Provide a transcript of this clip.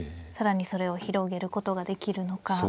さらにそれを広げることができるのか。